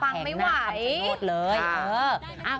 แผงหน้าคำชโนตเลยปังไม่ไหว